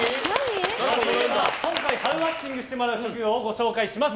今回ハウマッチングしてもらう職業をご紹介します。